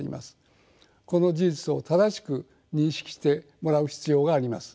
この事実を正しく認識してもらう必要があります。